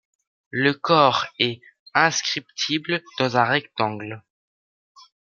Le corps est inscriptible dans un rectangle.